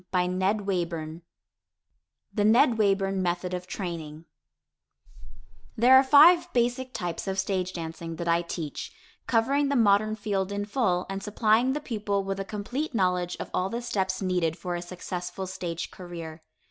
[Illustration: NW] THE NED WAYBURN METHOD OF TRAINING There are five basic types of stage dancing that I teach, covering the modern field in full, and supplying the pupil with a complete knowledge of all the steps needed for a successful stage career.